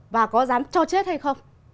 và có dám cho chết hay không